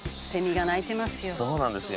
そうなんですよ。